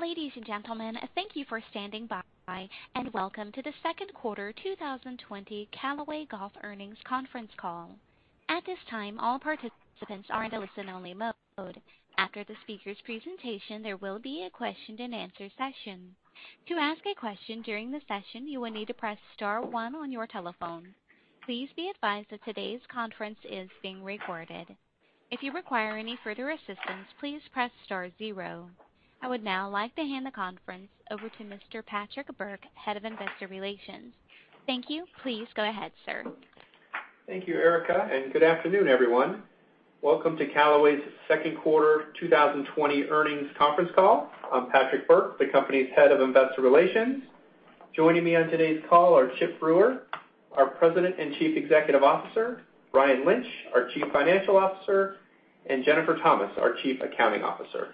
Ladies and gentlemen, thank you for standing by, and welcome to the second quarter 2020 Callaway Golf Earnings Conference Call. I would now like to hand the conference over to Mr. Patrick Burke, Head of Investor Relations. Thank you. Please go ahead, sir. Thank you, Erica. Good afternoon, everyone. Welcome to Callaway's second quarter 2020 earnings conference call. I'm Patrick Burke, the company's Head of Investor Relations. Joining me on today's call are Chip Brewer, our President and Chief Executive Officer, Brian Lynch, our Chief Financial Officer, and Jennifer Thomas, our Chief Accountng Officer.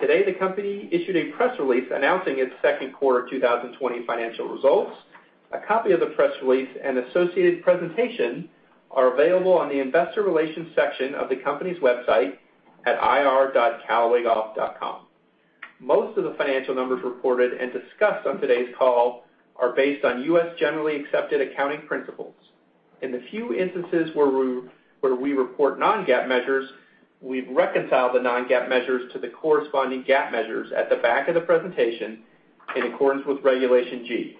Today, the company issued a press release announcing its second quarter 2020 financial results. A copy of the press release anid associated presentation are available on the investor relations section of the company's website at ir.callawaygolf.com. Most of the financial numbers reported and discussed on today's call are based on U.S. Generally Accepted Accounting Principles. In the few instances where we report non-GAAP measures, we've reconciled the non-GAAP measures to the corresponding GAAP measures at the back of the presentation in accordance with Regulation G.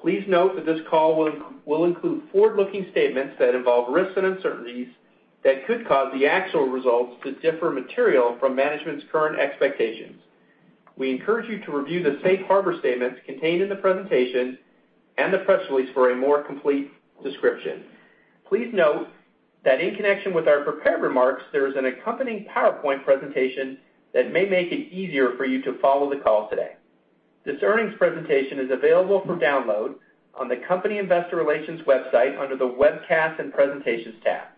Please note that this call will include forward-looking statements that involve risks and uncertainties that could cause the actual results to differ material from management's current expectations. We encourage you to review the safe harbor statements contained in the presentation and the press release for a more complete description. Please note that in connection with our prepared remarks, there is an accompanying PowerPoint presentation that may make it easier for you to follow the call today. This earnings presentation is available for download on the company investor relations website under the Webcast and Presentations tab.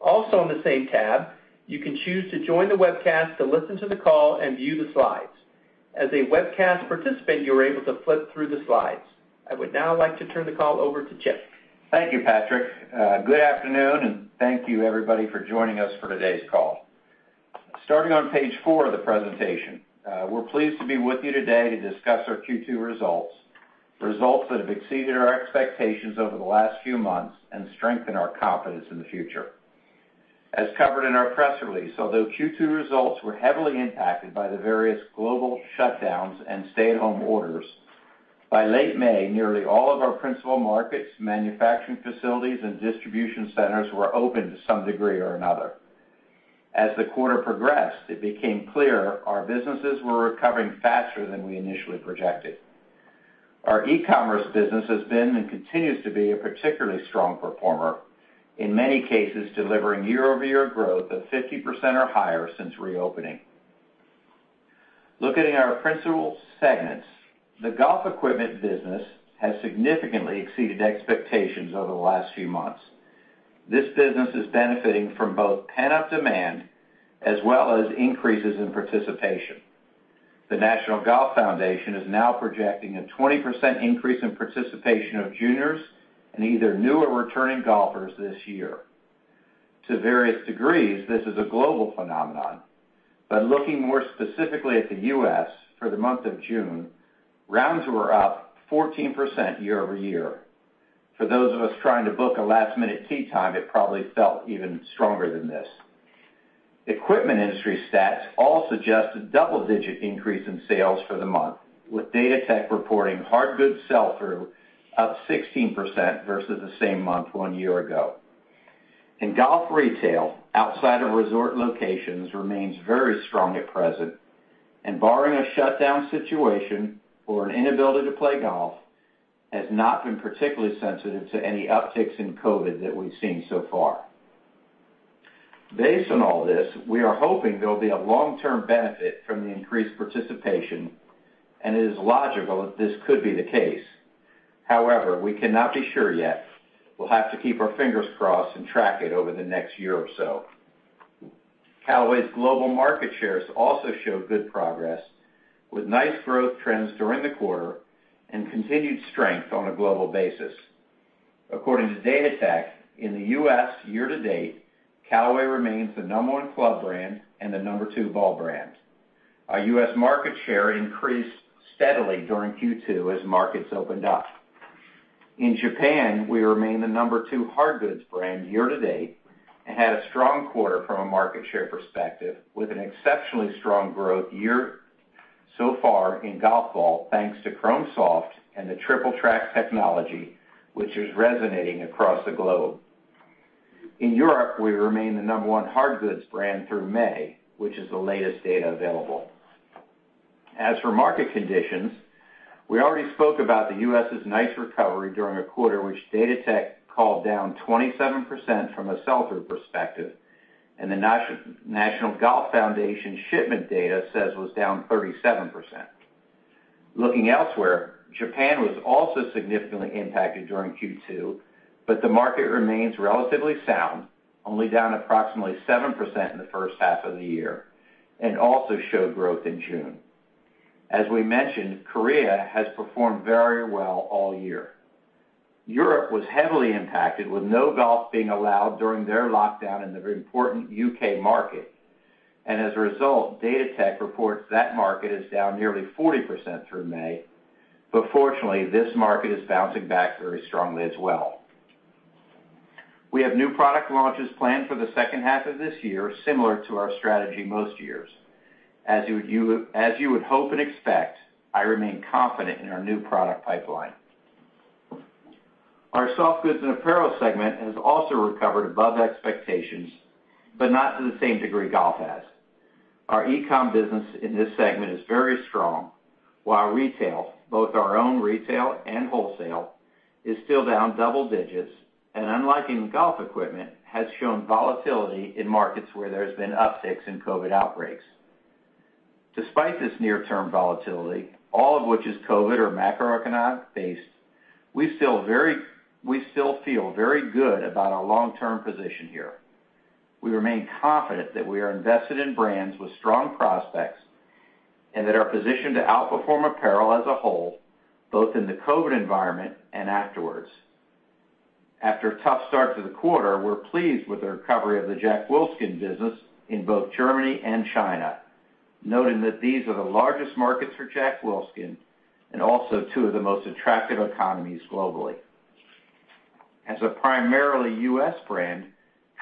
Also, on the same tab, you can choose to join the webcast to listen to the call and view the slides. As a webcast participant, you are able to flip through the slides. I would now like to turn the call over to Chip. Thank you, Patrick. Good afternoon, and thank you everybody for joining us for today's call. Starting on page four of the presentation, we're pleased to be with you today to discuss our Q2 results that have exceeded our expectations over the last few months and strengthen our confidence in the future. As covered in our press release, although Q2 results were heavily impacted by the various global shutdowns and stay-at-home orders, by late May, nearly all of our principal markets, manufacturing facilities, and distribution centers were open to some degree or another. As the quarter progressed, it became clear our businesses were recovering faster than we initially projected. Our e-commerce business has been and continues to be a particularly strong performer, in many cases, delivering year-over-year growth of 50% or higher since reopening. Looking at our principal segments, the golf equipment business has significantly exceeded expectations over the last few months. This business is benefiting from both pent-up demand as well as increases in participation. The National Golf Foundation is now projecting a 20% increase in participation of juniors in either new or returning golfers this year. To various degrees, this is a global phenomenon. Looking more specifically at the U.S., for the month of June, rounds were up 14% year-over-year. For those of us trying to book a last-minute tee time, it probably felt even stronger than this. Equipment industry stats all suggest a double-digit increase in sales for the month, with Golf Datatech reporting hard goods sell-through up 16% versus the same month one year ago. Golf retail outside of resort locations remains very strong at present, and barring a shutdown situation or an inability to play golf, has not been particularly sensitive to any upticks in COVID that we've seen so far. Based on all this, we are hoping there'll be a long-term benefit from the increased participation, and it is logical that this could be the case. However, we cannot be sure yet. We'll have to keep our fingers crossed and track it over the next year or so. Callaway's global market shares also show good progress, with nice growth trends during the quarter and continued strength on a global basis. According to Golf Datatech, in the U.S. year to date, Callaway remains the number one club brand and the number two ball brand. Our U.S. market share increased steadily during Q2 as markets opened up. In Japan, we remain the number two hard goods brand year to date and had a strong quarter from a market share perspective, with an exceptionally strong growth year so far in golf ball, thanks to Chrome Soft and the Triple Track technology, which is resonating across the globe. In Europe, we remain the number one hard goods brand through May, which is the latest data available. As for market conditions, we already spoke about the U.S.'s nice recovery during a quarter which Golf Datatech called down 27% from a sell-through perspective, and the National Golf Foundation shipment data says was down 37%. Looking elsewhere, Japan was also significantly impacted during Q2, but the market remains relatively sound, only down approximately 7% in the first half of the year and also showed growth in June. As we mentioned, Korea has performed very well all year. Europe was heavily impacted with no golf being allowed during their lockdown in the very important U.K. market. As a result, Golf Datatech reports that market is down nearly 40% through May. Fortunately, this market is bouncing back very strongly as well. We have new product launches planned for the second half of this year, similar to our strategy most years. As you would hope and expect, I remain confident in our new product pipeline. Our soft goods and apparel segment has also recovered above expectations, but not to the same degree golf has. Our e-commerce business in this segment is very strong, while retail, both our own retail and wholesale, is still down double digits, and unlike in golf equipment, has shown volatility in markets where there's been upticks in COVID-19 outbreaks. Despite this near-term volatility, all of which is COVID or macroeconomic-based, we still feel very good about our long-term position here. We remain confident that we are invested in brands with strong prospects and that are positioned to outperform apparel as a whole, both in the COVID environment and afterwards. After a tough start to the quarter, we're pleased with the recovery of the Jack Wolfskin business in both Germany and China, noting that these are the largest markets for Jack Wolfskin and also two of the most attractive economies globally. As a primarily U.S. brand,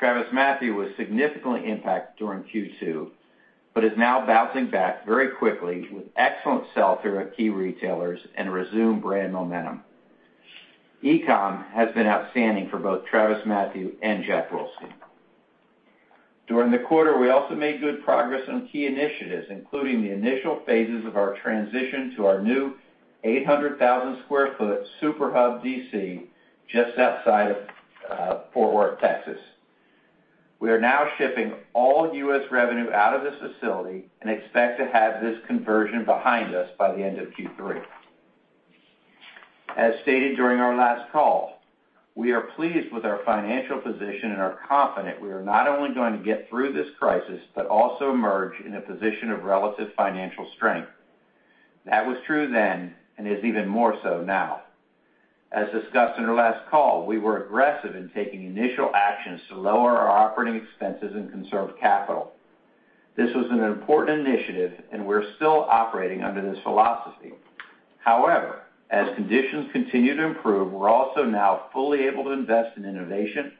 TravisMathew was significantly impacted during Q2, but is now bouncing back very quickly with excellent sell-through at key retailers and resumed brand momentum. e-com has been outstanding for both TravisMathew and Jack Wolfskin. During the quarter, we also made good progress on key initiatives, including the initial phases of our transition to our new 800,000 sq ft super hub DC just outside of Fort Worth, Texas. We are now shipping all U.S. revenue out of this facility and expect to have this conversion behind us by the end of Q3. As stated during our last call, we are pleased with our financial position and are confident we are not only going to get through this crisis, but also emerge in a position of relative financial strength. That was true then and is even more so now. As discussed in our last call, we were aggressive in taking initial actions to lower our operating expenses and conserve capital. This was an important initiative. We're still operating under this philosophy. However, as conditions continue to improve, we're also now fully able to invest in innovation,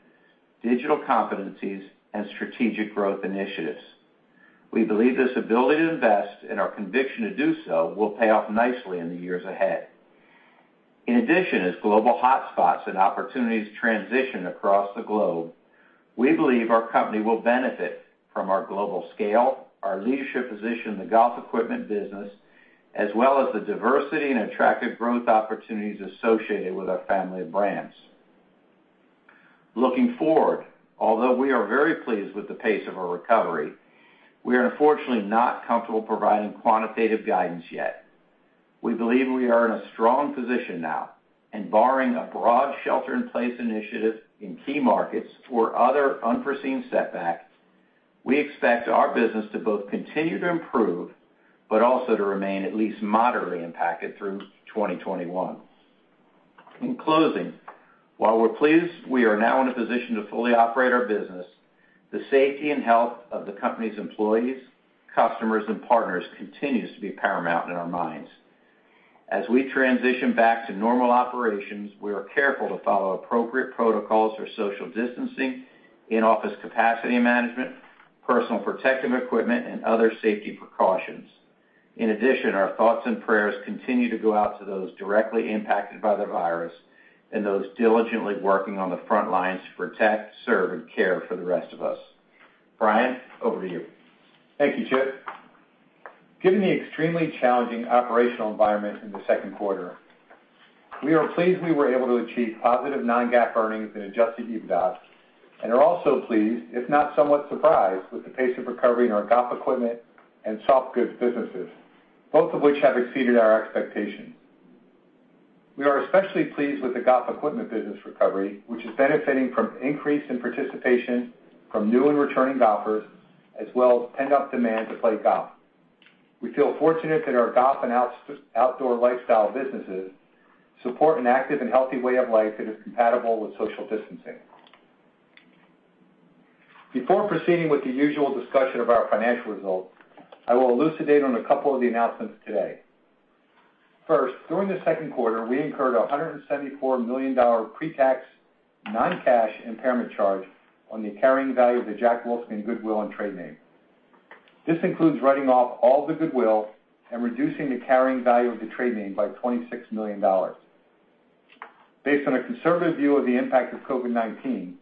digital competencies, and strategic growth initiatives. We believe this ability to invest and our conviction to do so will pay off nicely in the years ahead. In addition, as global hotspots and opportunities transition across the globe, we believe our company will benefit from our global scale, our leadership position, the golf equipment business, as well as the diversity and attractive growth opportunities associated with our family of brands. Looking forward, although we are very pleased with the pace of our recovery, we are unfortunately not comfortable providing quantitative guidance yet. We believe we are in a strong position now, and barring a broad shelter-in-place initiative in key markets or other unforeseen setbacks, we expect our business to both continue to improve but also to remain at least moderately impacted through 2021. In closing, while we're pleased we are now in a position to fully operate our business, the safety and health of the company's employees, customers, and partners continues to be paramount in our minds. As we transition back to normal operations, we are careful to follow appropriate protocols for social distancing, in-office capacity management, personal protective equipment, and other safety precautions. In addition, our thoughts and prayers continue to go out to those directly impacted by the virus and those diligently working on the front lines to protect, serve, and care for the rest of us. Brian, over to you. Thank you, Chip. Given the extremely challenging operational environment in the second quarter, we are pleased we were able to achieve positive non-GAAP earnings and adjusted EBITDA, and are also pleased, if not somewhat surprised, with the pace of recovery in our golf equipment and soft goods businesses, both of which have exceeded our expectations. We are especially pleased with the golf equipment business recovery, which is benefiting from increase in participation from new and returning golfers, as well as pent-up demand to play golf. We feel fortunate that our golf and outdoor lifestyle businesses support an active and healthy way of life that is compatible with social distancing. Before proceeding with the usual discussion of our financial results, I will elucidate on a couple of the announcements today. First, during the second quarter, we incurred a $174 million pre-tax non-cash impairment charge on the carrying value of the Jack Wolfskin goodwill and trade name. This includes writing off all the goodwill and reducing the carrying value of the trade name by $26 million. Based on a conservative view of the impact of COVID-19,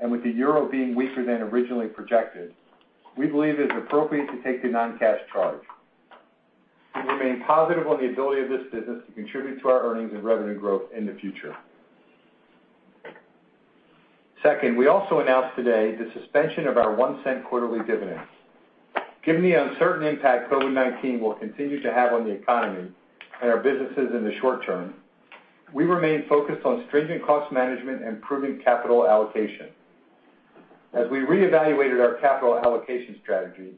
and with the euro being weaker than originally projected, we believe it is appropriate to take the non-cash charge. We remain positive on the ability of this business to contribute to our earnings and revenue growth in the future. Second, we also announced today the suspension of our $0.01 quarterly dividends. Given the uncertain impact COVID-19 will continue to have on the economy and our businesses in the short term, we remain focused on stringent cost management and improving capital allocation. As we reevaluated our capital allocation strategy,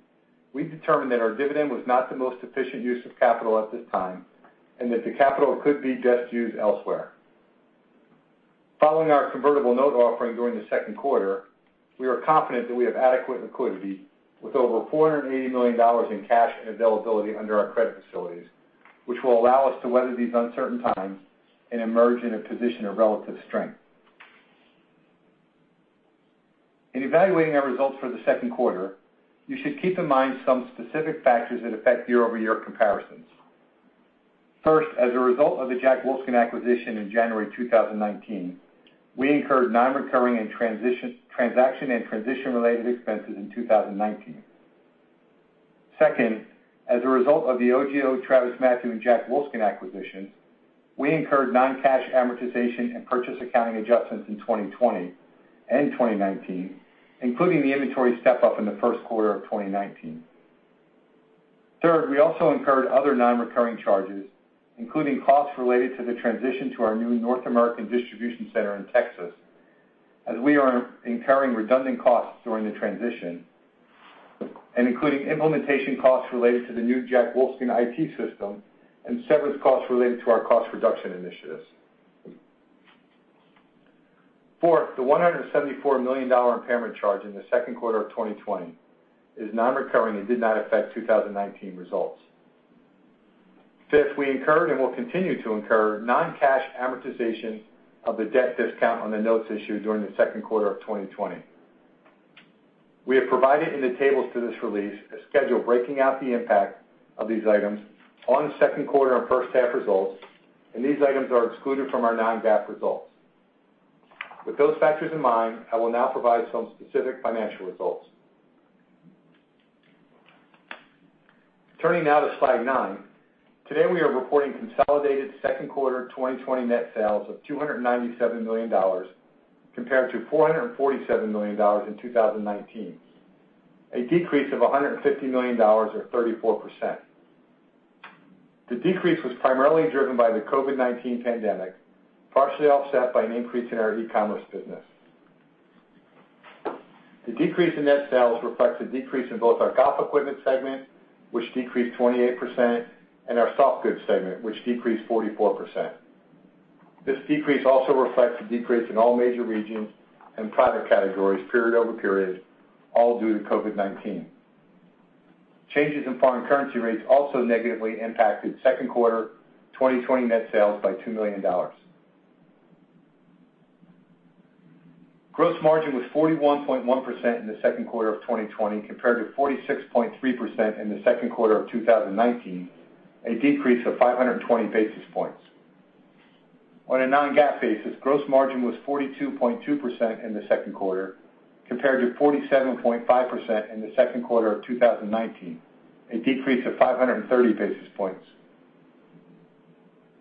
we determined that our dividend was not the most efficient use of capital at this time, and that the capital could be best used elsewhere. Following our convertible note offering during the second quarter, we are confident that we have adequate liquidity with over $480 million in cash and availability under our credit facilities, which will allow us to weather these uncertain times and emerge in a position of relative strength. In evaluating our results for the second quarter, you should keep in mind some specific factors that affect year-over-year comparisons. First, as a result of the Jack Wolfskin acquisition in January 2019, we incurred non-recurring transaction and transition-related expenses in 2019. Second, as a result of the OGIO, TravisMathew, and Jack Wolfskin acquisitions, we incurred non-cash amortization and purchase accounting adjustments in 2020 and 2019, including the inventory step-up in the first quarter of 2019. Third, we also incurred other non-recurring charges, including costs related to the transition to our new North American distribution center in Texas, as we are incurring redundant costs during the transition, and including implementation costs related to the new Jack Wolfskin IT system and severance costs related to our cost reduction initiatives. Fourth, the $174 million impairment charge in the second quarter of 2020 is non-recurring and did not affect 2019 results. Fifth, we incurred and will continue to incur non-cash amortization of the debt discount on the notes issued during the second quarter of 2020. We have provided in the tables to this release a schedule breaking out the impact of these items on second quarter and first half results, and these items are excluded from our non-GAAP results. With those factors in mind, I will now provide some specific financial results. Turning now to slide nine. Today, we are reporting consolidated second quarter 2020 net sales of $297 million compared to $447 million in 2019, a decrease of $150 million or 34%. The decrease was primarily driven by the COVID-19 pandemic, partially offset by an increase in our e-commerce business. The decrease in net sales reflects a decrease in both our golf equipment segment, which decreased 28%, and our softgoods segment, which decreased 44%. This decrease also reflects the decrease in all major regions and product categories period-over-period, all due to COVID-19. Changes in foreign currency rates also negatively impacted second quarter 2020 net sales by $2 million. Gross margin was 41.1% in the second quarter of 2020 compared to 46.3% in the second quarter of 2019, a decrease of 520 basis points. On a non-GAAP basis, gross margin was 42.2% in the second quarter compared to 47.5% in the second quarter of 2019, a decrease of 530 basis points.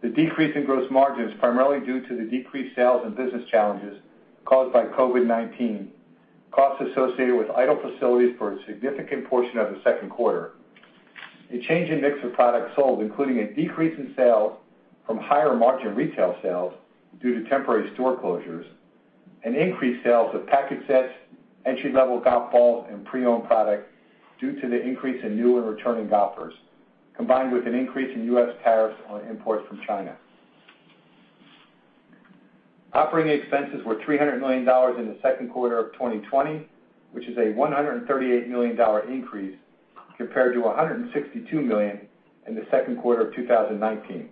The decrease in gross margin is primarily due to the decreased sales and business challenges caused by COVID-19, costs associated with idle facilities for a significant portion of the second quarter, a change in mix of products sold, including a decrease in sales from higher-margin retail sales due to temporary store closures, and increased sales of package sets, entry-level golf balls, and pre-owned product due to the increase in new and returning golfers, combined with an increase in U.S. tariffs on imports from China. Operating expenses were $300 million in the second quarter of 2020, which is a $138 million increase compared to $162 million in the second quarter of 2019.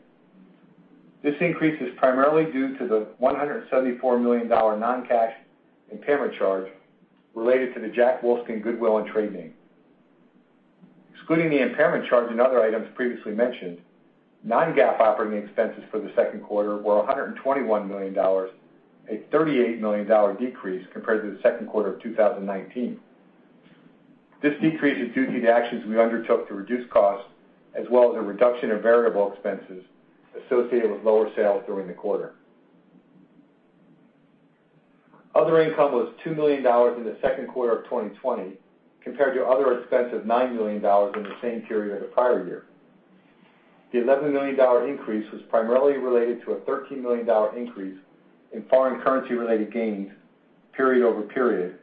This increase is primarily due to the $174 million non-cash impairment charge related to the Jack Wolfskin goodwill and trade name. Excluding the impairment charge and other items previously mentioned, non-GAAP operating expenses for the second quarter were $121 million, a $38 million decrease compared to the second quarter of 2019. This decrease is due to the actions we undertook to reduce costs, as well as a reduction in variable expenses associated with lower sales during the quarter. Other income was $2 million in the second quarter of 2020 compared to other expense of $9 million in the same period a prior year. The $11 million increase was primarily related to a $13 million increase in foreign currency-related gains period-over-period,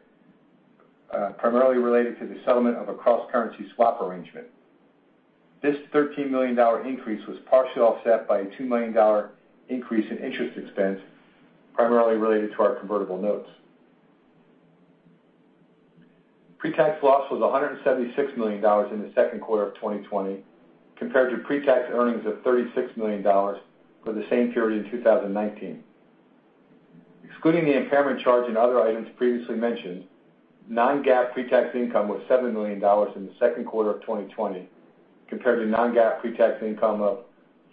primarily related to the settlement of a cross-currency swap arrangement. This $13 million increase was partially offset by a $2 million increase in interest expense, primarily related to our convertible notes. Pre-tax loss was $176 million in the second quarter of 2020 compared to pre-tax earnings of $36 million for the same period in 2019. Excluding the impairment charge and other items previously mentioned, non-GAAP pre-tax income was $7 million in the second quarter of 2020 compared to non-GAAP pre-tax income of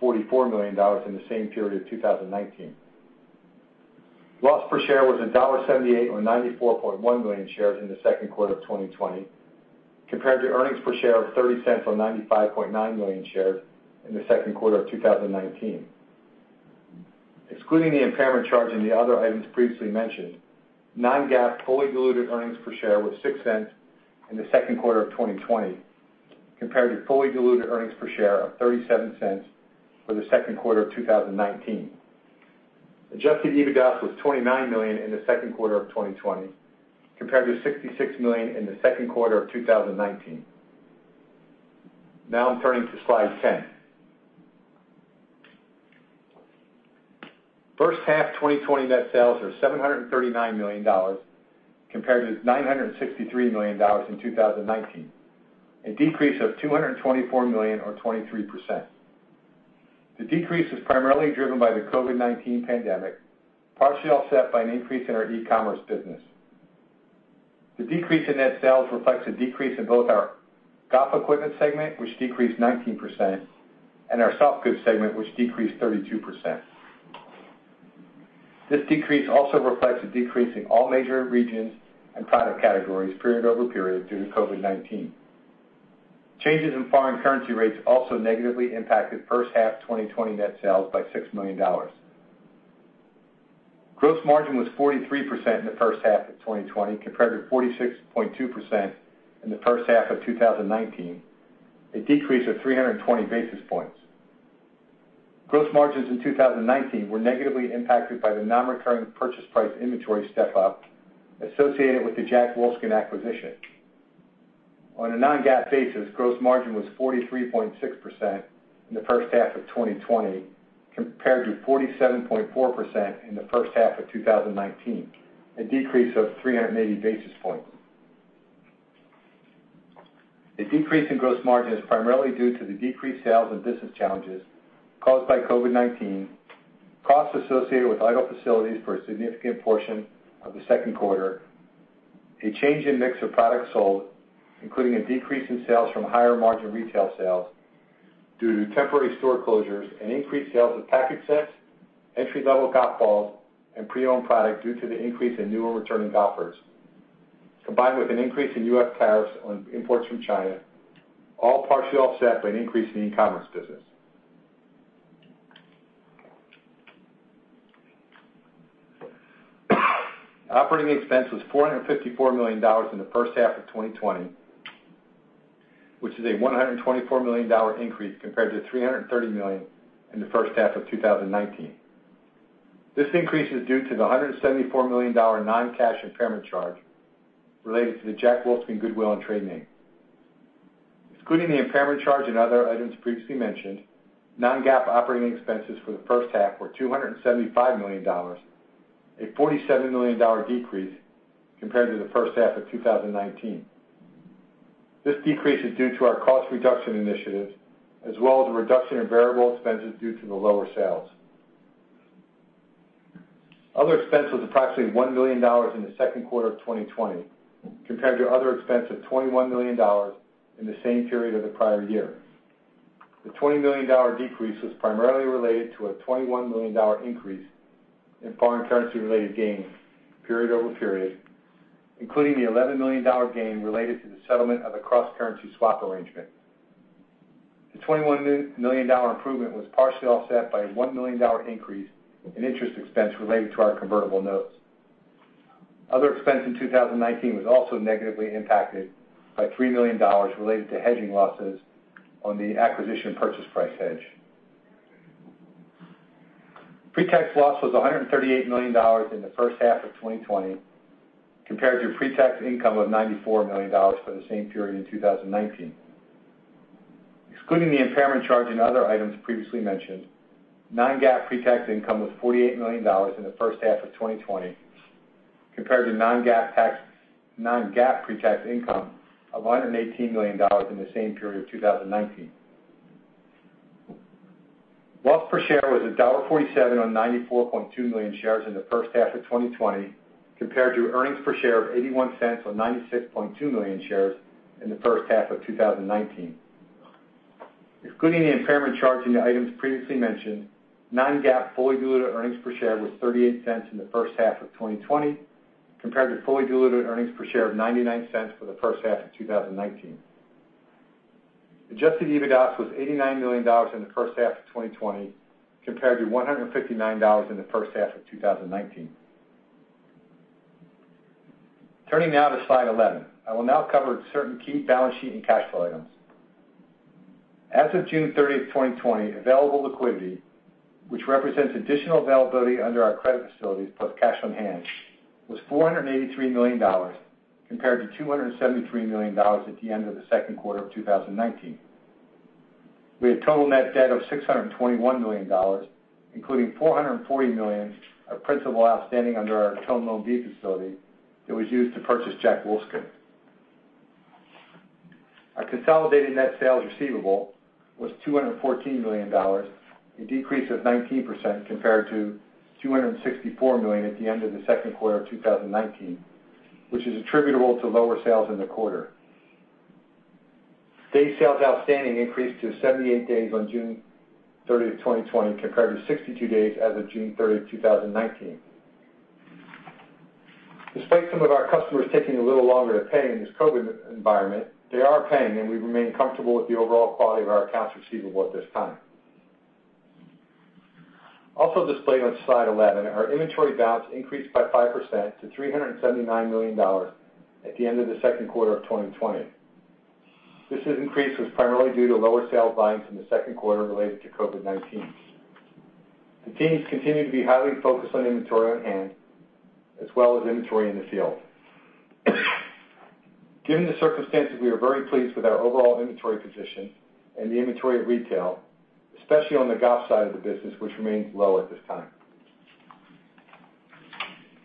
$44 million in the same period of 2019. Loss per share was $1.78 on 94.1 million shares in the second quarter of 2020 compared to earnings per share of $0.30 on 95.9 million shares in the second quarter of 2019. Excluding the impairment charge and the other items previously mentioned, non-GAAP fully diluted earnings per share was $0.06 in the second quarter of 2020 compared to fully diluted earnings per share of $0.37 for the second quarter of 2019. Adjusted EBITDA was $29 million in the second quarter of 2020, compared to $66 million in the second quarter of 2019. I'm turning to slide 10. First half 2020 net sales are $739 million compared to $963 million in 2019, a decrease of $224 million or 23%. The decrease is primarily driven by the COVID-19 pandemic, partially offset by an increase in our e-commerce business. The decrease in net sales reflects a decrease in both our golf equipment segment, which decreased 19%, and our softgoods segment, which decreased 32%. This decrease also reflects a decrease in all major regions and product categories period-over-period due to COVID-19. Changes in foreign currency rates also negatively impacted first half 2020 net sales by $6 million. Gross margin was 43% in the first half of 2020, compared to 46.2% in the first half of 2019, a decrease of 320 basis points. Gross margins in 2019 were negatively impacted by the non-recurring purchase price inventory step-up associated with the Jack Wolfskin acquisition. On a non-GAAP basis, gross margin was 43.6% in the first half of 2020 compared to 47.4% in the first half of 2019, a decrease of 380 basis points. A decrease in gross margin is primarily due to the decreased sales and business challenges caused by COVID-19, costs associated with idle facilities for a significant portion of the second quarter, a change in mix of products sold, including a decrease in sales from higher margin retail sales due to temporary store closures and increased sales of package sets, entry-level golf balls, and pre-owned product due to the increase in new and returning golfers, combined with an increase in US tariffs on imports from China, all partially offset by an increase in e-commerce business. Operating expense was $454 million in the first half of 2020, which is a $124 million increase compared to $330 million in the first half of 2019. This increase is due to the $174 million non-cash impairment charge related to the Jack Wolfskin goodwill and trade name. Excluding the impairment charge and other items previously mentioned, non-GAAP operating expenses for the first half were $275 million, a $47 million decrease compared to the first half of 2019. This decrease is due to our cost reduction initiatives, as well as a reduction in variable expenses due to the lower sales. Other expense was approximately $1 million in the second quarter of 2020 compared to other expense of $21 million in the same period of the prior year. The $20 million decrease was primarily related to a $21 million increase in foreign currency-related gains period-over-period, including the $11 million gain related to the settlement of a cross-currency swap arrangement. The $21 million improvement was partially offset by a $1 million increase in interest expense related to our convertible notes. Other expense in 2019 was also negatively impacted by $3 million related to hedging losses on the acquisition purchase price hedge. Pre-tax loss was $138 million in the first half of 2020 compared to pre-tax income of $94 million for the same period in 2019. Excluding the impairment charge and other items previously mentioned, non-GAAP pre-tax income was $48 million in the first half of 2020 compared to non-GAAP pre-tax income of $118 million in the same period of 2019. Loss per share was $1.47 on 94.2 million shares in the first half of 2020, compared to earnings per share of $0.81 on 96.2 million shares in the first half of 2019. Excluding the impairment charge and the items previously mentioned, non-GAAP fully diluted earnings per share was $0.38 in the first half of 2020 compared to fully diluted earnings per share of $0.99 for the first half of 2019. Adjusted EBITDA was $89 million in the first half of 2020, compared to $159 million in the first half of 2019. Turning now to slide 11. I will now cover certain key balance sheet and cash flow items. As of June 30, 2020, available liquidity, which represents additional availability under our credit facilities plus cash on hand, was $483 million, compared to $273 million at the end of the second quarter of 2019. We had total net debt of $621 million, including $440 million of principal outstanding under our term loan B facility that was used to purchase Jack Wolfskin. Our consolidated net sales receivable was $214 million, a decrease of 19% compared to $264 million at the end of the second quarter of 2019, which is attributable to lower sales in the quarter. Days sales outstanding increased to 78 days on June 30th, 2020, compared to 62 days as of June 30th, 2019. Despite some of our customers taking a little longer to pay in this COVID environment, they are paying, and we remain comfortable with the overall quality of our accounts receivable at this time. Also displayed on slide 11, our inventory balance increased by 5% to $379 million at the end of the second quarter of 2020. This increase was primarily due to lower sales volumes in the second quarter related to COVID-19. The teams continue to be highly focused on inventory on hand, as well as inventory in the field. Given the circumstances, we are very pleased with our overall inventory position and the inventory at retail, especially on the golf side of the business, which remains low at this time.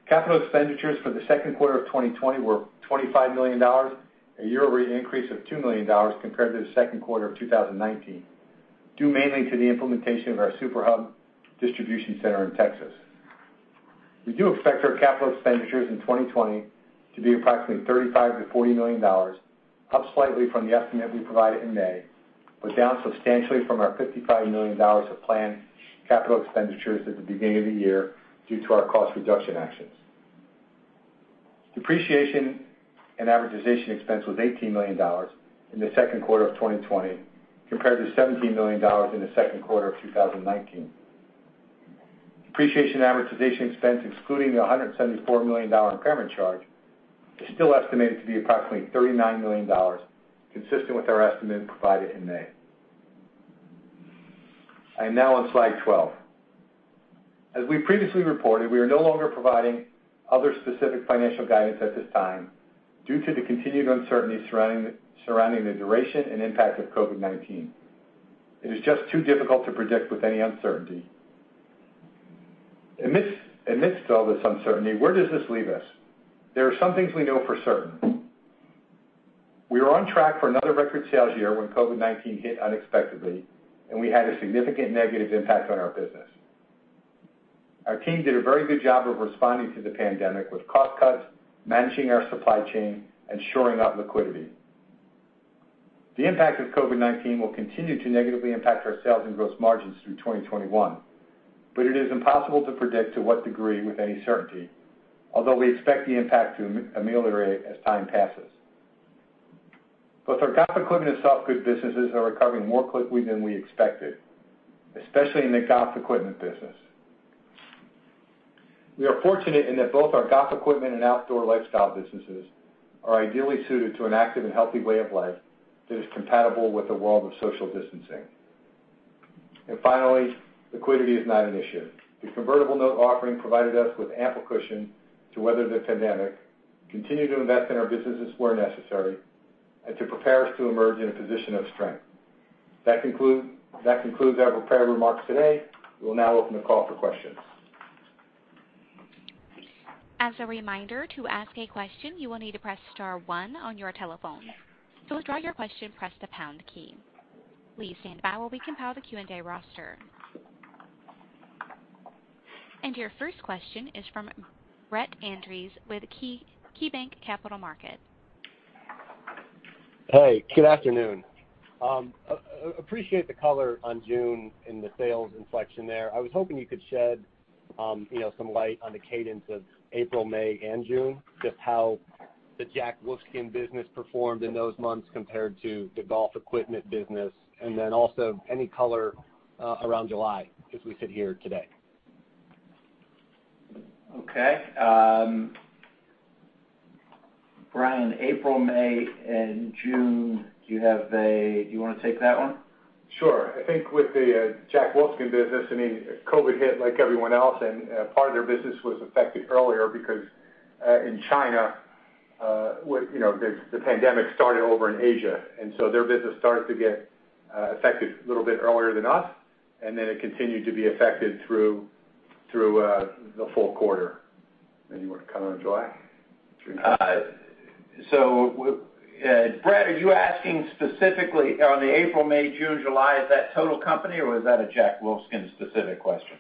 Capital expenditures for the second quarter of 2020 were $25 million, a year-over-year increase of $2 million compared to the second quarter of 2019, due mainly to the implementation of our super hub distribution center in Texas. We do expect our capital expenditures in 2020 to be approximately $35 million-$40 million, up slightly from the estimate we provided in May, but down substantially from our $55 million of planned capital expenditures at the beginning of the year, due to our cost reduction actions. Depreciation and amortization expense was $18 million in the second quarter of 2020 compared to $17 million in the second quarter of 2019. Depreciation and amortization expense, excluding the $174 million impairment charge, is still estimated to be approximately $39 million, consistent with our estimate provided in May. I am now on slide 12. As we previously reported, we are no longer providing other specific financial guidance at this time due to the continued uncertainty surrounding the duration and impact of COVID-19. It is just too difficult to predict with any certainty. Amidst all this uncertainty, where does this leave us? There are some things we know for certain. We were on track for another record sales year when COVID-19 hit unexpectedly, and we had a significant negative impact on our business. Our team did a very good job of responding to the pandemic with cost cuts, managing our supply chain, and shoring up liquidity. The impact of COVID-19 will continue to negatively impact our sales and gross margins through 2021, but it is impossible to predict to what degree with any certainty, although we expect the impact to ameliorate as time passes. Both our golf equipment and softgoods businesses are recovering more quickly than we expected, especially in the golf equipment business. We are fortunate in that both our golf equipment and outdoor lifestyle businesses are ideally suited to an active and healthy way of life that is compatible with the world of social distancing. Finally, liquidity is not an issue. The convertible note offering provided us with ample cushion to weather the pandemic, continue to invest in our businesses where necessary, and to prepare us to emerge in a position of strength. That concludes our prepared remarks today. We will now open the call for questions. As a reminder, to ask a question, you will need to press star one on your telephone. To withdraw your question, press the pound key. Please stand by while we compile the Q&A roster. Your first question is from Brett Andress with KeyBanc Capital Markets. Hey, good afternoon. Appreciate the color on June and the sales inflection there. I was hoping you could shed some light on the cadence of April, May, and June, just how the Jack Wolfskin business performed in those months compared to the golf equipment business, and then also any color around July as we sit here today. Okay. Brian, April, May, and June, do you want to take that one? Sure. I think with the Jack Wolfskin business, COVID hit like everyone else, part of their business was affected earlier because in China, the pandemic started over in Asia. Their business started to get affected a little bit earlier than us, and then it continued to be affected through the full quarter. You want to cover July? Brett, are you asking specifically on the April, May, June, July, is that total company or was that a Jack Wolfskin specific question?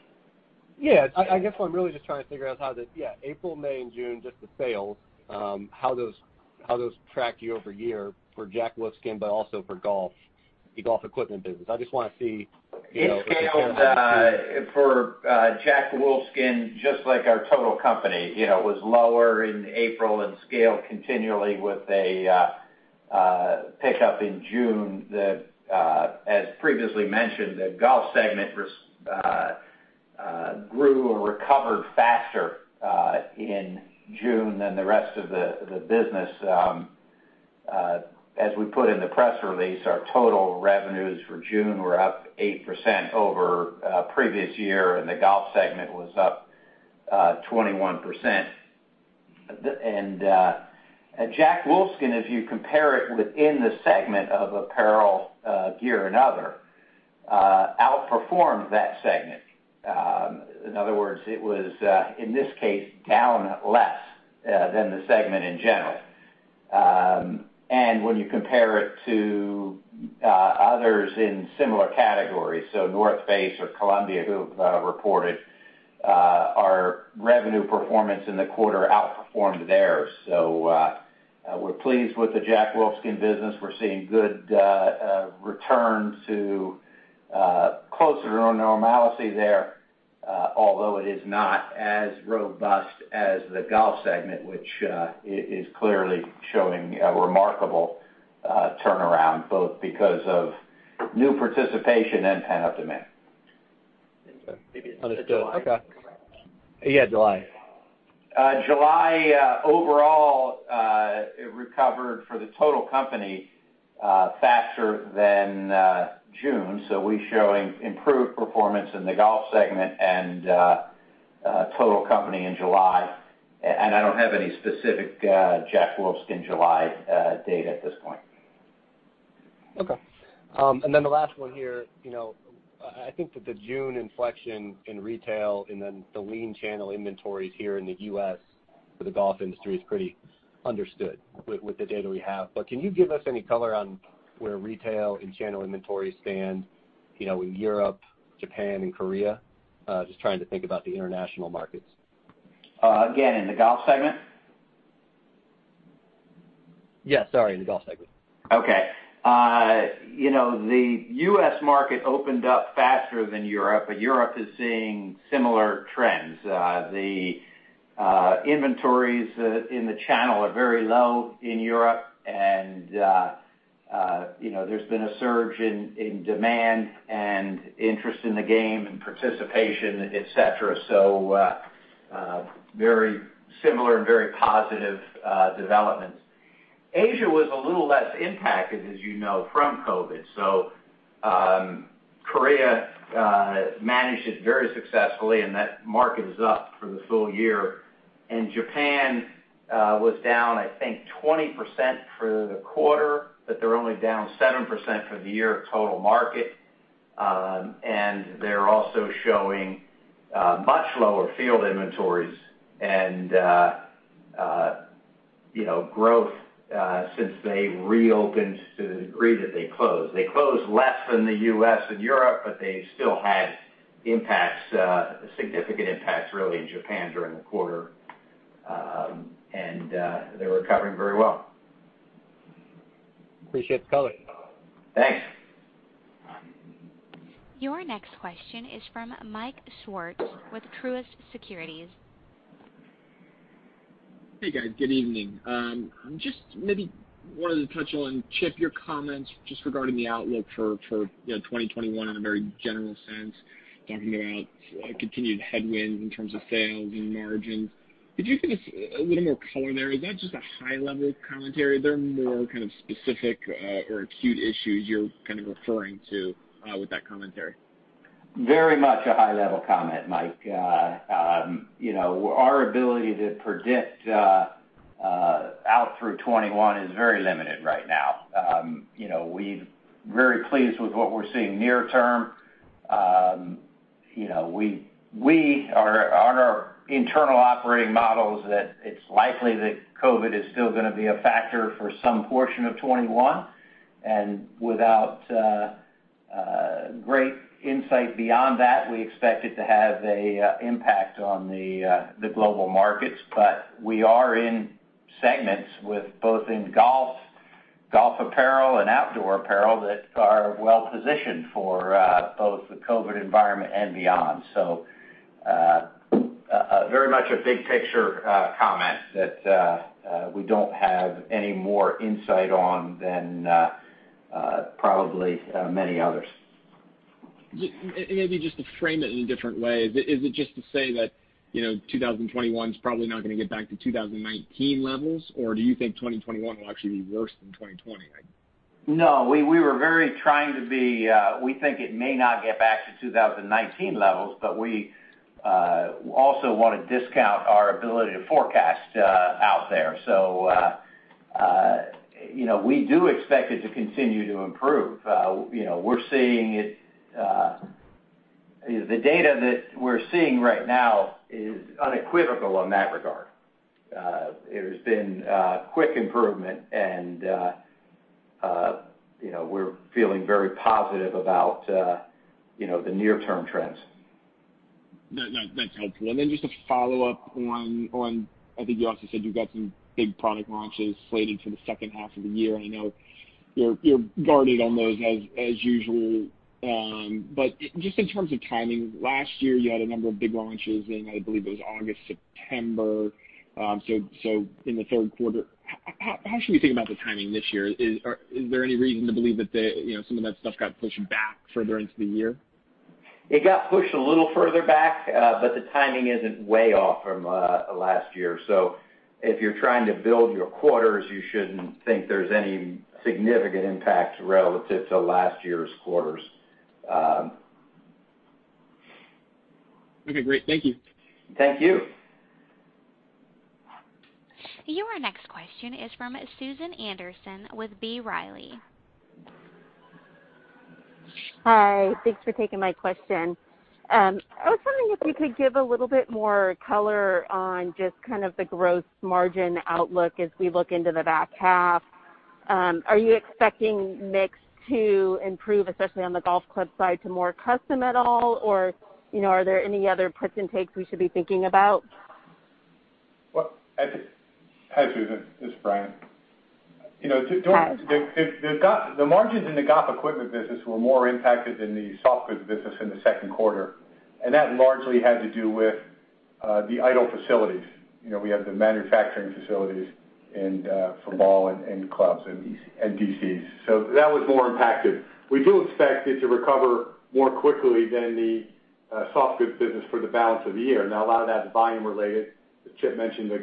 Yeah, I guess what I'm really just trying to figure out how the April, May, and June, just the sales, how those track year-over-year for Jack Wolfskin, but also for the golf equipment business. I just want to see. It scaled for Jack Wolfskin just like our total company. It was lower in April and scaled continually with a pickup in June that, as previously mentioned, the golf segment grew or recovered faster in June than the rest of the business. As we put in the press release, our total revenues for June were up 8% over previous year, the golf segment was up 21%. Jack Wolfskin, if you compare it within the segment of apparel, gear and other, outperformed that segment. In other words, it was, in this case, down less than the segment in general. When you compare it to others in similar categories, North Face or Columbia, who have reported, our revenue performance in the quarter outperformed theirs. We're pleased with the Jack Wolfskin business. We're seeing good returns to closer to normalcy there, although it is not as robust as the golf segment, which is clearly showing a remarkable turnaround, both because of new participation and pent-up demand. Understood. Okay. Maybe it's the July. Yeah, July. July, overall, it recovered for the total company faster than June. We're showing improved performance in the golf segment and total company in July. I don't have any specific Jack Wolfskin July data at this point. Okay. The last one here. I think that the June inflection in retail and then the lean channel inventories here in the U.S. for the golf industry is pretty understood with the data we have. Can you give us any color on where retail and channel inventories stand in Europe, Japan, and Korea? Just trying to think about the international markets. Again, in the golf segment? Yes. Sorry. In the golf segment. Okay. The U.S. market opened up faster than Europe. Europe is seeing similar trends. The inventories in the channel are very low in Europe. There's been a surge in demand and interest in the game and participation, et cetera. Very similar and very positive developments. Asia was a little less impacted, as you know, from COVID. Korea managed it very successfully. That market is up for the full year. Japan was down, I think, 20% for the quarter. They're only down 7% for the year of total market. They're also showing much lower field inventories and growth since they reopened to the degree that they closed. They closed less than the U.S. and Europe. They still had significant impacts, really, in Japan during the quarter. They're recovering very well. Appreciate the color. Thanks. Your next question is from Mike Swartz with Truist Securities. Hey, guys. Good evening. Just maybe wanted to touch on, Chip, your comments just regarding the outlook for 2021 in a very general sense, talking about continued headwinds in terms of sales and margins. Could you give us a little more color there? Is that just a high-level commentary? Are there more kind of specific or acute issues you're kind of referring to with that commentary? Very much a high-level comment, Mike. Our ability to predict out through 2021 is very limited right now. We're very pleased with what we're seeing near term. We are on our internal operating models that it's likely that COVID is still going to be a factor for some portion of 2021. Without great insight beyond that, we expect it to have an impact on the global markets. We are in segments with both in golf apparel and outdoor apparel that are well-positioned for both the COVID environment and beyond. Very much a big picture comment that we don't have any more insight on than probably many others. Maybe just to frame it in a different way. Is it just to say that 2021 is probably not going to get back to 2019 levels? Do you think 2021 will actually be worse than 2020? We think it may not get back to 2019 levels, but we also want to discount our ability to forecast out there. We do expect it to continue to improve. The data that we're seeing right now is unequivocal in that regard. There's been a quick improvement and we're feeling very positive about the near-term trends. That's helpful. Then just to follow up on, I think you also said you've got some big product launches slated for the second half of the year. I know you're guarded on those as usual. Just in terms of timing, last year, you had a number of big launches in, I believe it was August, September. In the third quarter. How should we think about the timing this year? Is there any reason to believe that some of that stuff got pushed back further into the year? It got pushed a little further back, but the timing isn't way off from last year. If you're trying to build your quarters, you shouldn't think there's any significant impact relative to last year's quarters. Okay, great. Thank you. Thank you. Your next question is from Susan Anderson with B. Riley. Hi. Thanks for taking my question. I was wondering if you could give a little bit more color on just kind of the gross margin outlook as we look into the back half. Are you expecting mix to improve, especially on the golf club side, to more custom at all? Are there any other puts and takes we should be thinking about? Hi, Susan. It's Brian. Hi. The margins in the golf equipment business were more impacted than the soft goods business in the second quarter. That largely had to do with the idle facilities. We have the manufacturing facilities and for ball and clubs and DCs. That was more impacted. We do expect it to recover more quickly than the soft goods business for the balance of the year. A lot of that is volume related. Chip mentioned the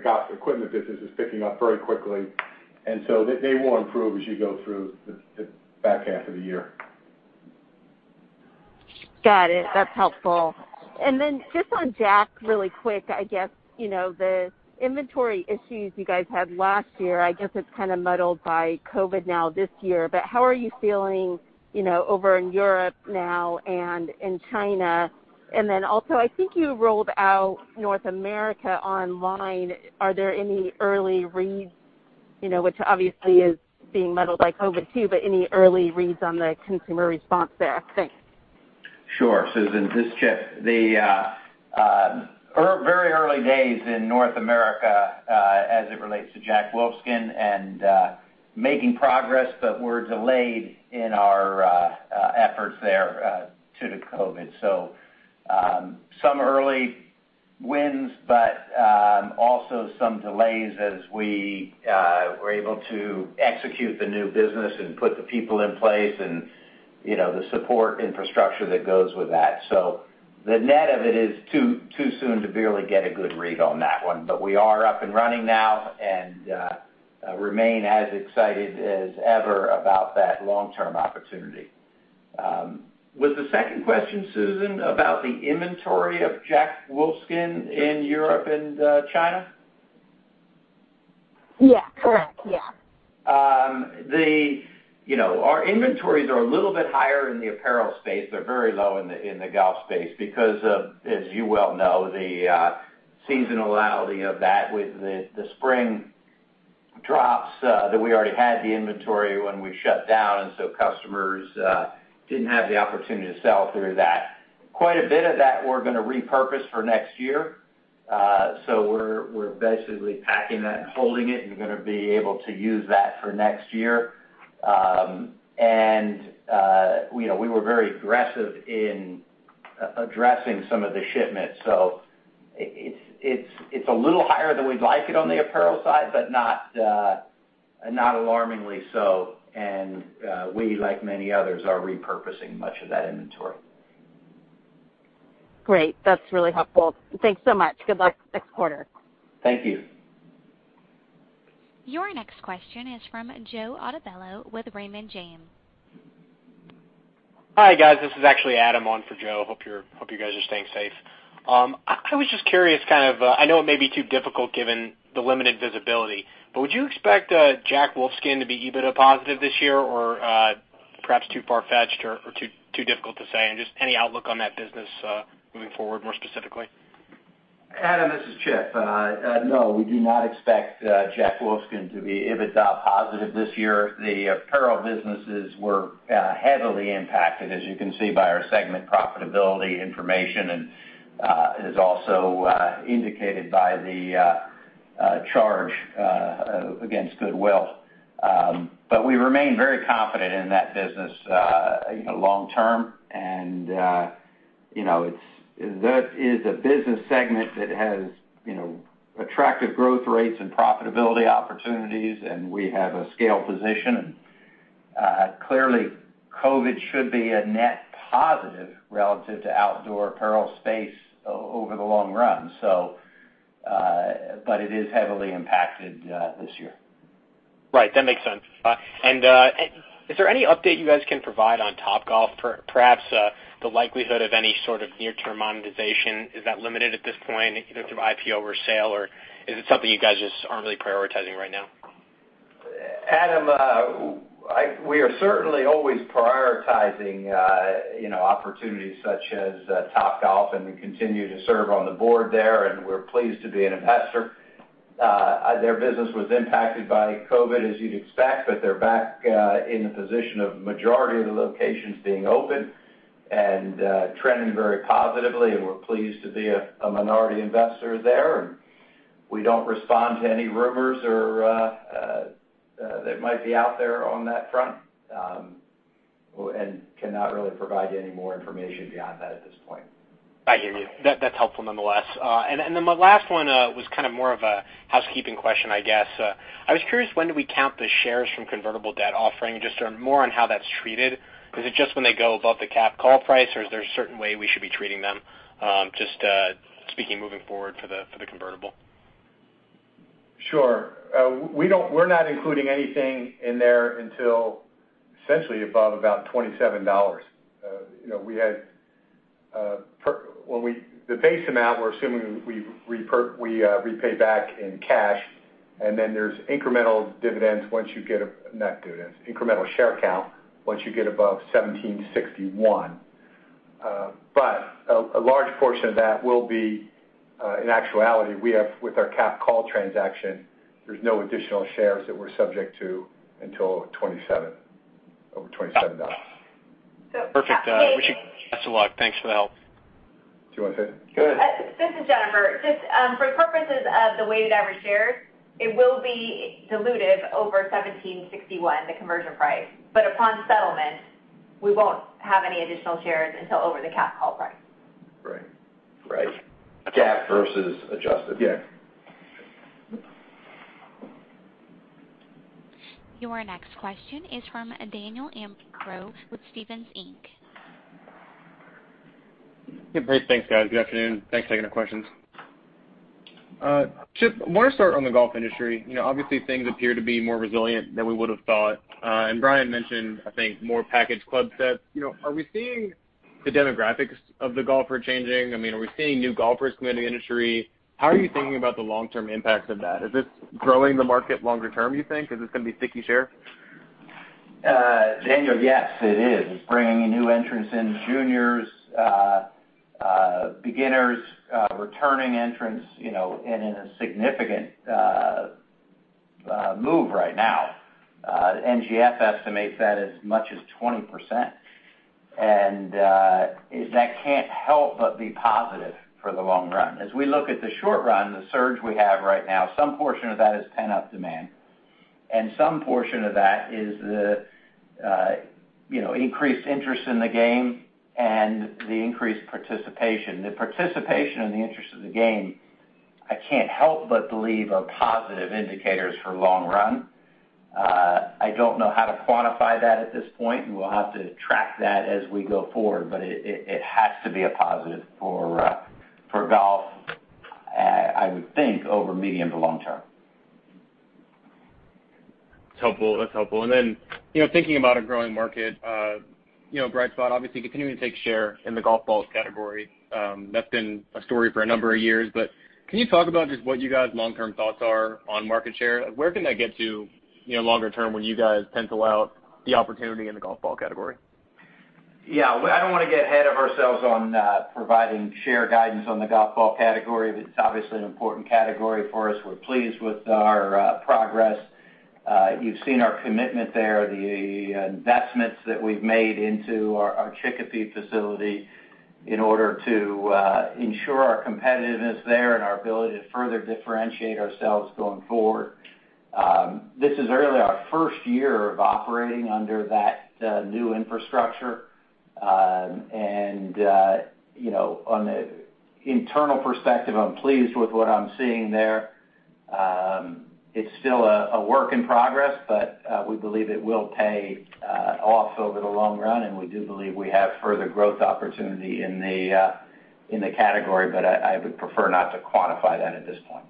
golf equipment business is picking up very quickly, and so they will improve as you go through the back half of the year. Got it. That's helpful. Then just on Jack really quick, I guess, the inventory issues you guys had last year, I guess it's kind of muddled by COVID now this year, but how are you feeling over in Europe now and in China? Then also, I think you rolled out North America online. Are there any early reads, which obviously is being muddled by COVID too, but any early reads on the consumer response there? Thanks. Sure, Susan, this is Chip. The very early days in North America, as it relates to Jack Wolfskin and making progress, but we're delayed in our efforts there due to COVID. Some early wins, but also some delays as we were able to execute the new business and put the people in place and the support infrastructure that goes with that. The net of it is too soon to barely get a good read on that one. We are up and running now and remain as excited as ever about that long-term opportunity. Was the second question, Susan, about the inventory of Jack Wolfskin in Europe and China? Yeah. Correct. Yeah. Our inventories are a little bit higher in the apparel space. They're very low in the golf space because of, as you well know, the seasonality of that with the spring drops, that we already had the inventory when we shut down, and so customers didn't have the opportunity to sell through that. Quite a bit of that we're going to repurpose for next year. We're basically packing that and holding it and going to be able to use that for next year. We were very aggressive in addressing some of the shipments. It's a little higher than we'd like it on the apparel side, but not alarmingly so. We, like many others, are repurposing much of that inventory. Great. That's really helpful. Thanks so much. Good luck next quarter. Thank you. Your next question is from Joe Altobello with Raymond James. Hi, guys. This is actually Adam on for Joe. Hope you guys are staying safe. I was just curious, I know it may be too difficult given the limited visibility, but would you expect Jack Wolfskin to be EBITDA positive this year or perhaps too far-fetched or too difficult to say, and just any outlook on that business moving forward, more specifically? Adam, this is Chip. No, we do not expect Jack Wolfskin to be EBITDA positive this year. The apparel businesses were heavily impacted, as you can see by our segment profitability information, and is also indicated by the charge against goodwill. We remain very confident in that business long term, and that is a business segment that has attractive growth rates and profitability opportunities, and we have a scale position. Clearly, COVID should be a net positive relative to outdoor apparel space over the long run. It is heavily impacted this year. Right. That makes sense. Is there any update you guys can provide on Topgolf? Perhaps the likelihood of any sort of near-term monetization, is that limited at this point, either through IPO or sale, or is it something you guys just aren't really prioritizing right now? Adam, we are certainly always prioritizing opportunities such as Topgolf, and we continue to serve on the board there, and we're pleased to be an investor. Their business was impacted by COVID, as you'd expect, but they're back in the position of majority of the locations being open and trending very positively, and we're pleased to be a minority investor there. We don't respond to any rumors that might be out there on that front, and cannot really provide you any more information beyond that at this point. I hear you. That's helpful nonetheless. My last one was kind of more of a housekeeping question, I guess. I was curious, when do we count the shares from convertible debt offering, just more on how that's treated. Is it just when they go above the capped call price or is there a certain way we should be treating them? Just speaking moving forward for the convertible. Sure. We're not including anything in there until essentially above about $27. The base amount, we're assuming we repay back in cash, and then there's incremental dividends once you get not dividends, incremental share count once you get above $17.61. A large portion of that will be in actuality, we have with our capped call transaction, there's no additional shares that we're subject to until over $27. Perfect. So, hey- Wish you the best of luck. Thanks for the help. Do you want to hit it? Go ahead. This is Jennifer. Just for purposes of the weighted average shares, it will be dilutive over $17.61, the conversion price. Upon settlement, we won't have any additional shares until over the capped call price. Right. Right. Cap versus adjusted. Yeah. Your next question is from Daniel Imbro with Stephens Inc. Great. Thanks, guys. Good afternoon. Thanks for taking the questions. Chip, I want to start on the golf industry. Obviously, things appear to be more resilient than we would've thought. Brian mentioned, I think, more package club sets. Are we seeing the demographics of the golfer changing? Are we seeing new golfers come into the industry? How are you thinking about the long-term impacts of that? Is this growing the market longer term, you think? Is this going to be sticky share? Daniel, yes, it is. It's bringing new entrants in. Juniors, beginners, returning entrants, in a significant move right now. NGF estimates that as much as 20%. That can't help but be positive for the long run. As we look at the short run, the surge we have right now, some portion of that is pent-up demand, and some portion of that is the increased interest in the game and the increased participation. The participation and the interest of the game, I can't help but believe are positive indicators for long run. I don't know how to quantify that at this point. We will have to track that as we go forward, but it has to be a positive for golf, I would think, over medium to long term. That's helpful. Then, thinking about a growing market, bright spot, obviously, continuing to take share in the golf balls category. That's been a story for a number of years, can you talk about just what you guys' long-term thoughts are on market share? Where can that get to longer term when you guys pencil out the opportunity in the golf ball category? Yeah, I don't want to get ahead of ourselves on providing share guidance on the golf ball category. That's obviously an important category for us. We're pleased with our progress. You've seen our commitment there, the investments that we've made into our Chicopee facility in order to ensure our competitiveness there and our ability to further differentiate ourselves going forward. This is really our first year of operating under that new infrastructure. On the internal perspective, I'm pleased with what I'm seeing there. It's still a work in progress, but we believe it will pay off over the long run, and we do believe we have further growth opportunity in the category, but I would prefer not to quantify that at this point.